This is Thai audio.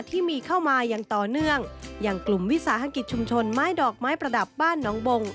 ที่มีเข้ามาอย่างต่อเนื่องอย่างกลุ่มวิสาหกิจชุมชนไม้ดอกไม้ประดับบ้านน้องบง